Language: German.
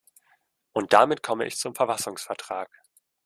Und damit komme ich zum Verfassungsvertrag.